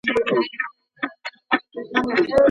د ښوونځي ښوونکي لومړنۍ مرستې کولای سي؟